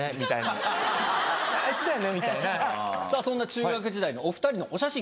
さぁそんな中学時代のお２人のお写真